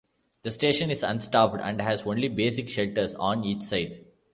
The station is unstaffed and has only basic shelters on each side.